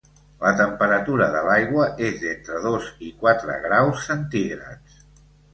La temperatura de l’aigua és d’entre dos i quatre graus centígrads.